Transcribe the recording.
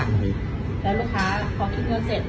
แล้วลูกค้าพอคิดเงินเสร็จ